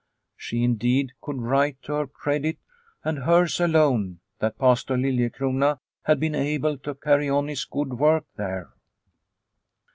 She, indeed, could write to her credit, and hers alone, that Pastor Liliecrona had been able to carry on his good work there.